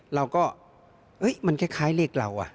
เราก็มันคล้ายเลขเรา